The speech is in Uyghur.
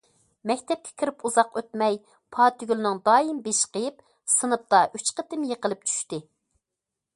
مەكتەپكە كىرىپ ئۇزاق ئۆتمەي، پاتىگۈلنىڭ دائىم بېشى قېيىپ، سىنىپتا ئۈچ قېتىم يىقىلىپ چۈشتى.